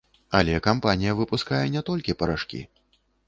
Але кампанія выпускае не толькі парашкі.